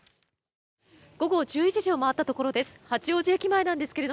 午後１１時を回ったところです。